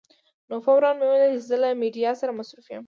نو فوراً مې وویل چې زه له میډیا سره مصروف یم.